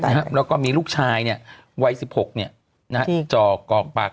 แล้วก็มีลูกชายเนี่ยวัยสิบหกเนี่ยนะฮะที่จ่อกอกปาก